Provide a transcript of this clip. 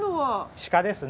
鹿ですね。